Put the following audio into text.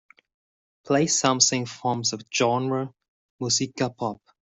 Play something from the genre muzyka pop